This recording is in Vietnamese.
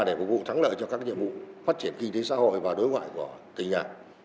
để phục vụ thắng lợi cho các nhiệm vụ phát triển kinh tế xã hội và đối ngoại của tỉnh